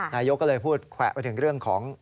นายกก็เลยพูดแขวะไปถึงเรื่องของ